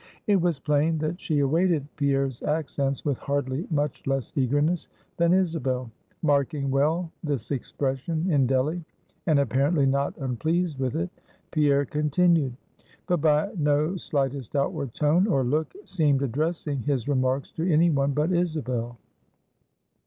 It was plain that she awaited Pierre's accents with hardly much less eagerness than Isabel. Marking well this expression in Delly, and apparently not unpleased with it, Pierre continued; but by no slightest outward tone or look seemed addressing his remarks to any one but Isabel.